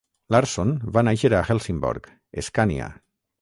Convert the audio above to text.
Larsson va nàixer a Helsingborg, Escània.